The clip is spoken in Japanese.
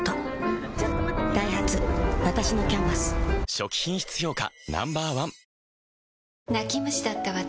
初期品質評価